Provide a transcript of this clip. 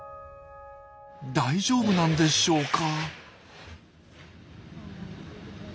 大丈夫なんでしょうか？